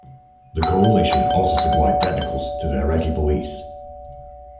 The Coalition also supplied technicals to the Iraqi police.